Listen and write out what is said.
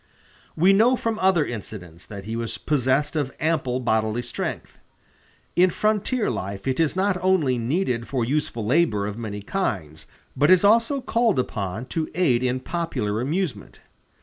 We know from other incidents that he was possessed of ample bodily strength. In frontier life it is not only needed for useful labor of many kinds, but is also called upon to aid in popular amusement.